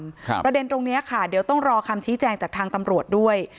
ประเด็นตรงเนี้ยค่ะเดี๋ยวต้องรอคำชี้แจงจากทางตำรวจด้วย